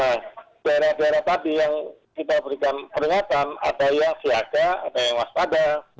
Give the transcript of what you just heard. nah daerah daerah tadi yang kita berikan peringatan ada yang siaga ada yang waspada